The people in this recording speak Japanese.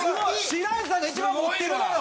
白石さんが一番持ってるのよ。